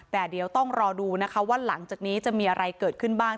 แต่เดี๋ยวต้องรอดูนะคะว่าหลังจากนี้จะมีอะไรเกิดขึ้นบ้าง